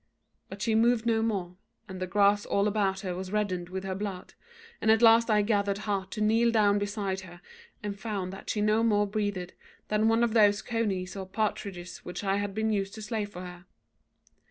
But she moved no more, and the grass all about her was reddened with her blood; and at last I gathered heart to kneel down beside her, and found that she no more breathed than one of those conies or partridges which I had been used to slay for her.